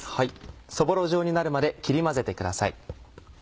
そぼろ状になるまで切り混ぜてください。